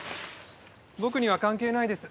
僕には関係ないです